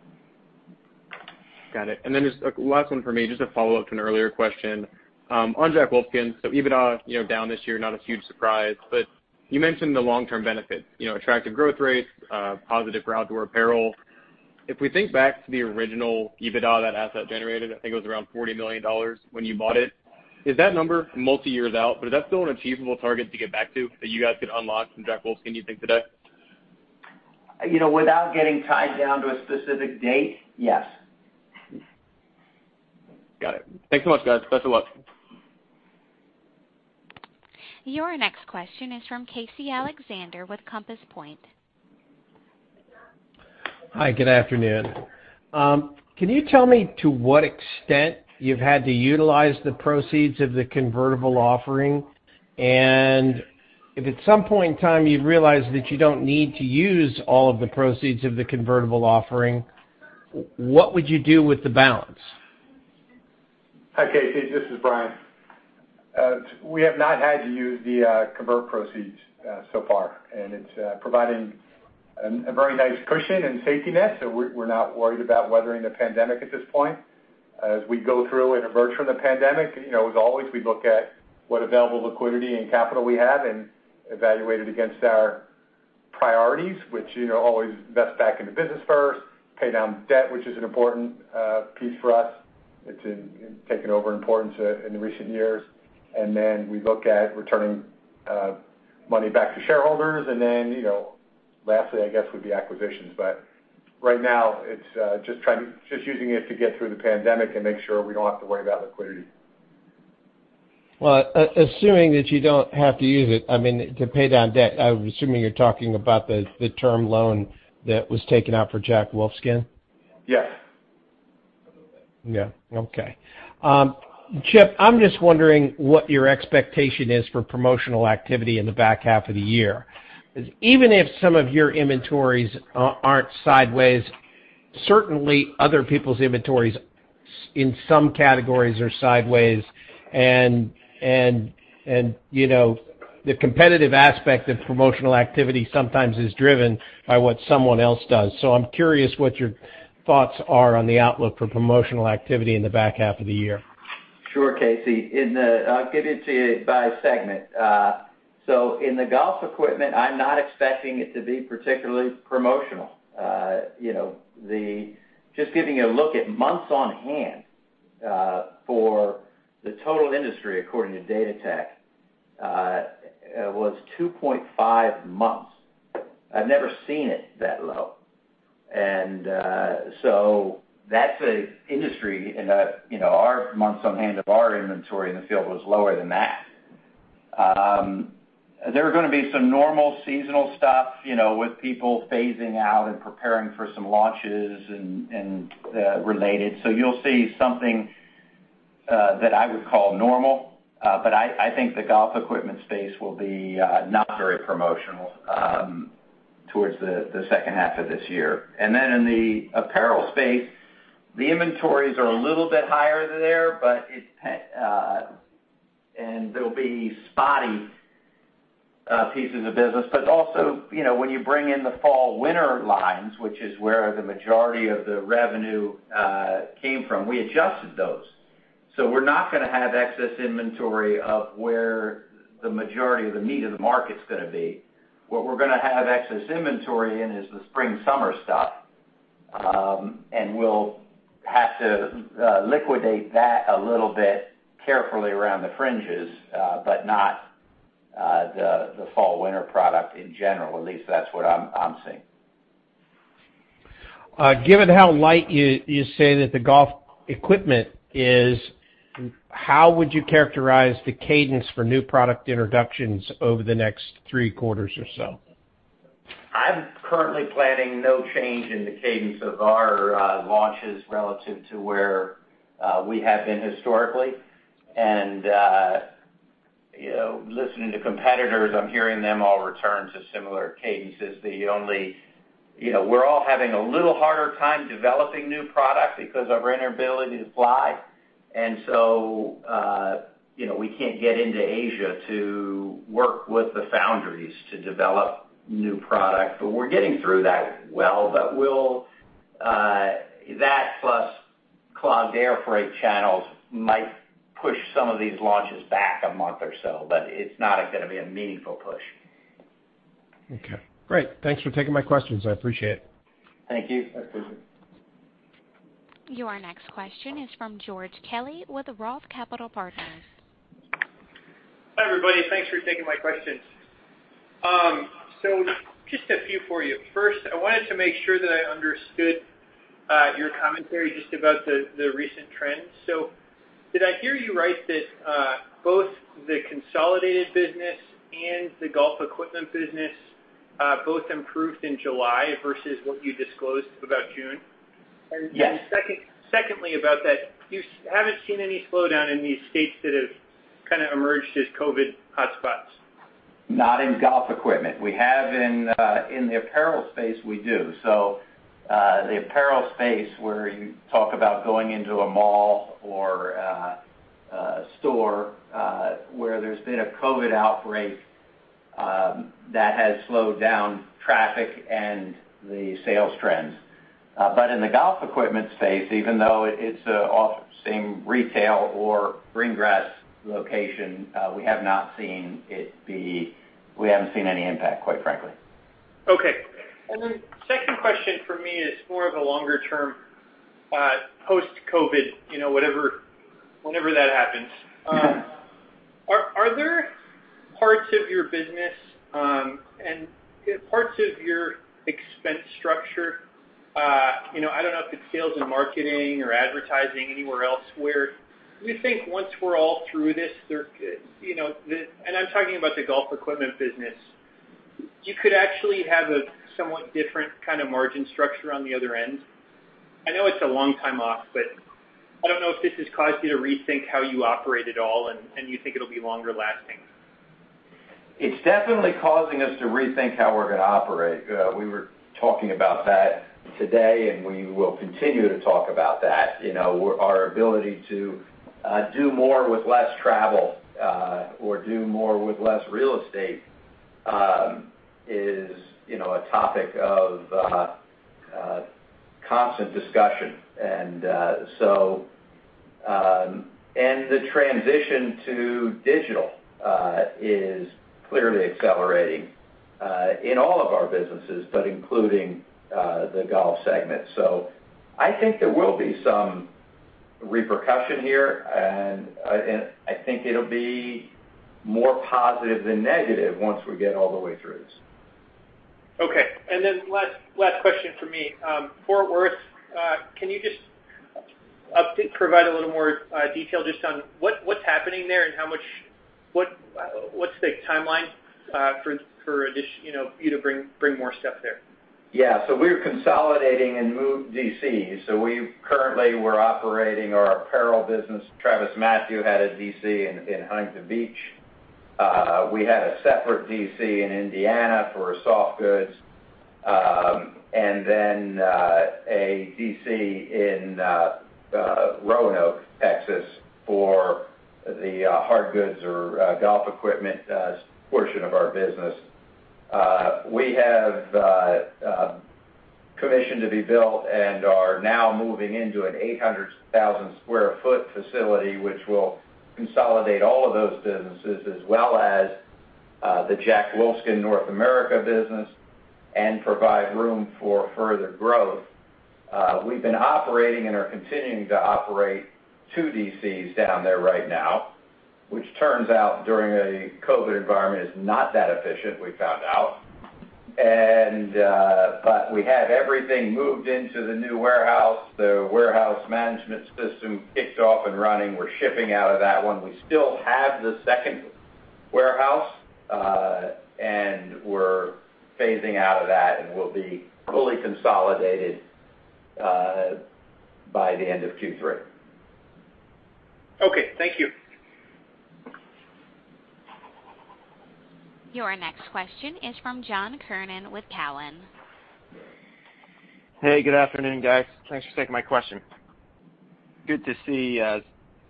Got it. Just last one from me, just a follow-up to an earlier question. On Jack Wolfskin, EBITDA down this year, not a huge surprise, but you mentioned the long-term benefit, attractive growth rates, positive for outdoor apparel. If we think back to the original EBITDA that asset generated, I think it was around $40 million when you bought it. Is that number multi-years out, is that still an achievable target to get back to, that you guys could unlock from Jack Wolfskin, do you think, today? Without getting tied down to a specific date, yes. Got it. Thanks so much, guys. Best of luck. Your next question is from Casey Alexander with Compass Point. Hi, good afternoon. Can you tell me to what extent you've had to utilize the proceeds of the convertible offering? If at some point in time you realize that you don't need to use all of the proceeds of the convertible offering, what would you do with the balance? Hi, Casey, this is Brian. We have not had to use the convert proceeds so far, and it's providing a very nice cushion and safety net. We're not worried about weathering the pandemic at this point. As we go through and emerge from the pandemic, as always, we look at what available liquidity and capital we have and evaluate it against our priorities, which always invest back in the business first, pay down debt, which is an important piece for us. It's taken over importance in the recent years. Then we look at returning money back to shareholders, and then lastly, I guess, would be acquisitions. Right now, it's just using it to get through the pandemic and make sure we don't have to worry about liquidity. Well, assuming that you don't have to use it, to pay down debt, I'm assuming you're talking about the term loan that was taken out for Jack Wolfskin? Yes. Yeah. Okay. Chip, I'm just wondering what your expectation is for promotional activity in the back half of the year. Even if some of your inventories aren't sideways, certainly other people's inventories in some categories are sideways, and the competitive aspect of promotional activity sometimes is driven by what someone else does. I'm curious what your thoughts are on the outlook for promotional activity in the back half of the year. Sure, Casey. I'll get into it by segment. In the golf equipment, I'm not expecting it to be particularly promotional. Just giving a look at months on hand for the total industry, according to Datatech, was 2.5 months. I've never seen it that low. That's an industry, and our months on hand of our inventory in the field was lower than that. There are going to be some normal seasonal stuff, with people phasing out and preparing for some launches and related. You'll see something that I would call normal, but I think the golf equipment space will be not very promotional towards the second half of this year. In the apparel space, the inventories are a little bit higher there, and there'll be spotty pieces of business. Also, when you bring in the fall/winter lines, which is where the majority of the revenue came from, we adjusted those. We're not going to have excess inventory of where the majority of the meat of the market's going to be. What we're going to have excess inventory in is the spring/summer stuff, and we'll have to liquidate that a little bit carefully around the fringes but not the fall/winter product in general. At least that's what I'm seeing. Given how light you say that the golf equipment is, how would you characterize the cadence for new product introductions over the next three quarters or so? I'm currently planning no change in the cadence of our launches relative to where we have been historically. Listening to competitors, I'm hearing them all return to similar cadences. We're all having a little harder time developing new product because of our inability to fly. We can't get into Asia to work with the foundries to develop new product. We're getting through that well, but that plus clogged air freight channels might push some of these launches back a month or so, but it's not going to be a meaningful push. Okay, great. Thanks for taking my questions. I appreciate it. Thank you. I appreciate it. Your next question is from George Kelly with Roth Capital Partners. Hi, everybody. Thanks for taking my questions. Just a few for you. First, I wanted to make sure that I understood your commentary just about the recent trends. Did I hear you right that both the consolidated business and the golf equipment business both improved in July versus what you disclosed about June? Yes. Secondly about that, you haven't seen any slowdown in these states that have kind of emerged as COVID hotspots? Not in golf equipment. In the apparel space, we do. The apparel space, where you talk about going into a mall or a store where there's been a COVID outbreak, that has slowed down traffic and the sales trends. In the golf equipment space, even though it's all the same retail or green grass location, we haven't seen any impact, quite frankly. Okay. Second question from me is more of a longer-term, post-COVID, whenever that happens. Yeah. Are there parts of your business and parts of your expense structure, I don't know if it's sales and marketing or advertising anywhere else, where you think once we're all through this, and I'm talking about the golf equipment business, you could actually have a somewhat different kind of margin structure on the other end? I know it's a long time off, but I don't know if this has caused you to rethink how you operate at all, and you think it'll be longer lasting? It's definitely causing us to rethink how we're going to operate. We were talking about that today, and we will continue to talk about that. Our ability to do more with less travel, or do more with less real estate, is a topic of constant discussion. The transition to digital is clearly accelerating in all of our businesses, but including the golf segment. I think there will be some repercussion here, and I think it'll be more positive than negative once we get all the way through this. Okay. Last question from me. Fort Worth, can you just provide a little more detail just on what's happening there and what's the timeline for you to bring more stuff there? We're consolidating and moved DCs. Currently, we're operating our apparel business. TravisMathew had a DC in Huntington Beach. We had a separate DC in Indiana for soft goods, and then a DC in Roanoke, Texas, for the hard goods or golf equipment portion of our business. We have commissioned to be built and are now moving into an 800,000 sq ft facility, which will consolidate all of those businesses as well as the Jack Wolfskin North America business and provide room for further growth. We've been operating and are continuing to operate two DCs down there right now, which turns out, during a COVID-19 environment, is not that efficient, we found out. We have everything moved into the new warehouse. The warehouse management system kicked off and running. We're shipping out of that one. We still have the second warehouse. We're phasing out of that, and we'll be fully consolidated by the end of Q3. Okay. Thank you. Your next question is from John Kernan with Cowen. Hey, good afternoon, guys. Thanks for taking my question. Good to see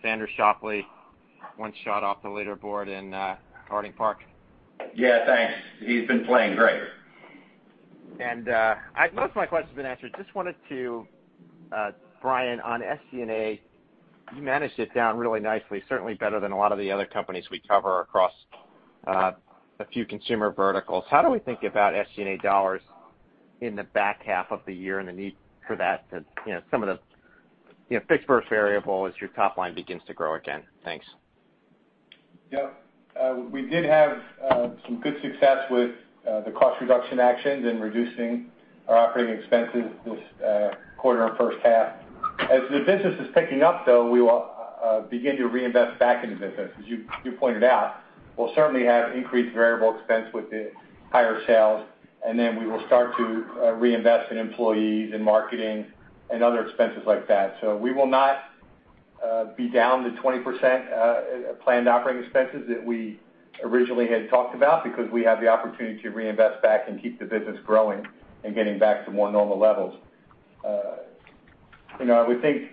Xander Schauffele one shot off the leaderboard in Harding Park. Yeah, thanks. He's been playing great. Most of my question's been answered. Just wanted to, Brian, on SG&A, you managed it down really nicely, certainly better than a lot of the other companies we cover across a few consumer verticals. How do we think about SG&A dollars in the back half of the year and the need for that to some of the fixed versus variable as your top line begins to grow again? Thanks. Yep. We did have some good success with the cost reduction actions in reducing our operating expenses this quarter and first half. The business is picking up, though, we will begin to reinvest back in the business. You pointed out, we'll certainly have increased variable expense with the higher sales, we will start to reinvest in employees, in marketing, and other expenses like that. We will not be down the 20% planned operating expenses that we originally had talked about because we have the opportunity to reinvest back and keep the business growing and getting back to more normal levels. I would think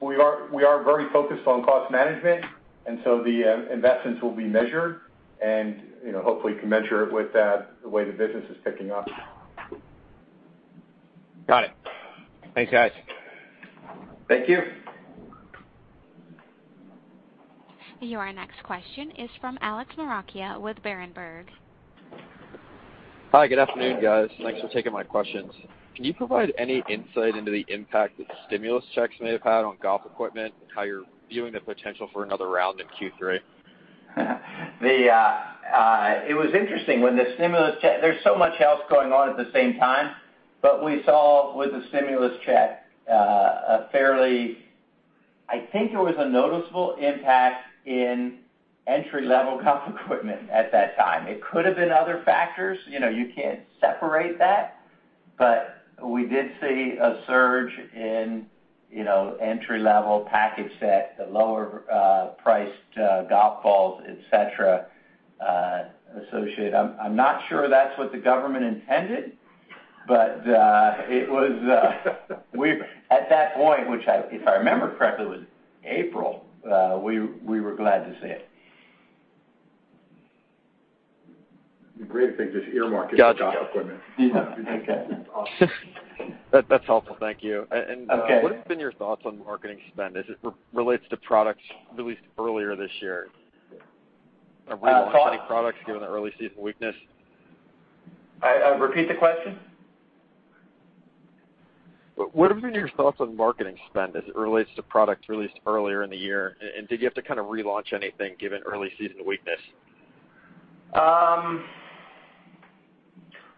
we are very focused on cost management, the investments will be measured and hopefully commensurate with the way the business is picking up. Got it. Thanks, guys. Thank you. Your next question is from Alex Maroccia with Berenberg. Hi. Good afternoon, guys. Thanks for taking my questions. Can you provide any insight into the impact that stimulus checks may have had on golf equipment and how you're viewing the potential for another round in Q3? It was interesting. There's so much else going on at the same time, but we saw with the stimulus check, I think it was a noticeable impact in entry-level golf equipment at that time. It could have been other factors. You can't separate that, but we did see a surge in entry-level package set, the lower-priced golf balls, et cetera, associated. I'm not sure that's what the government intended, but at that point, which, if I remember correctly, was April, we were glad to see it. The great thing is just earmark it for golf equipment. Gotcha. Awesome. That's helpful. Thank you. Okay. What have been your thoughts on marketing spend as it relates to products released earlier this year? Are we launching any products given the early season weakness? Repeat the question. What have been your thoughts on marketing spend as it relates to products released earlier in the year? Did you have to kind of relaunch anything given early season weakness?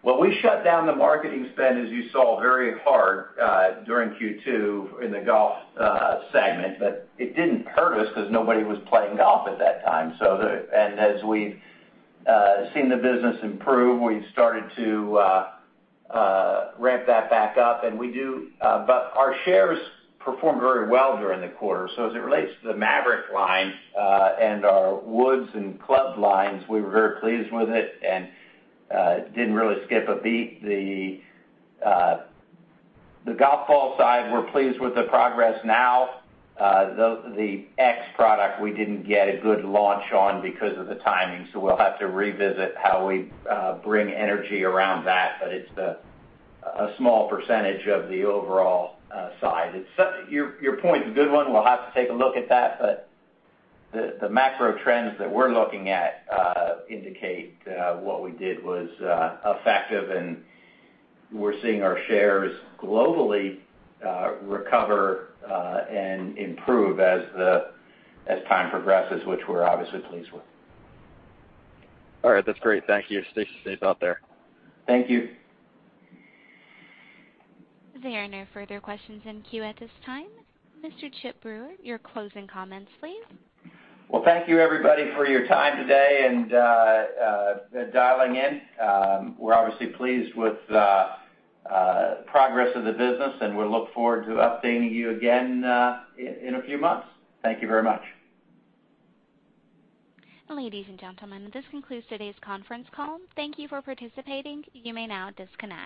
Well, we shut down the marketing spend, as you saw, very hard during Q2 in the golf segment, but it didn't hurt us because nobody was playing golf at that time. As we've seen the business improve, we've started to ramp that back up. Our shares performed very well during the quarter, so as it relates to the MAVRIK line and our woods and club lines, we were very pleased with it and didn't really skip a beat. The golf ball side, we're pleased with the progress now. The X product we didn't get a good launch on because of the timing, so we'll have to revisit how we bring energy around that, but it's a small percentage of the overall side. Your point's a good one. We'll have to take a look at that. The macro trends that we're looking at indicate what we did was effective, and we're seeing our shares globally recover and improve as time progresses, which we're obviously pleased with. All right. That's great. Thank you. Stay safe out there. Thank you. There are no further questions in queue at this time. Mr. Chip Brewer, your closing comments, please. Well, thank you, everybody, for your time today and dialing in. We're obviously pleased with the progress of the business, and we look forward to updating you again in a few months. Thank you very much. Ladies and gentlemen, this concludes today's conference call. Thank you for participating. You may now disconnect.